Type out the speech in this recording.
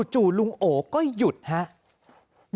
จู่ลุงโอก็หยุดครับ